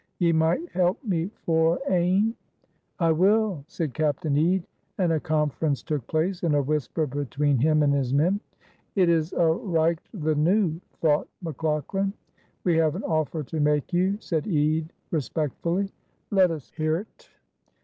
Ye meicht help me for ane." "I will," said Captain Ede; and a conference took place in a whisper between him and his men. "It is a' reicht the noo!" thought McLaughlan. "We have an offer to make you," said Ede, respectfully. "Let us hear't."